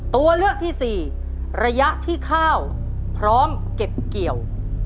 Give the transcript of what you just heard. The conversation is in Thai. ตัวเลือกที่สี่ระยะที่ข้าวพร้อมเก็บเกี่ยว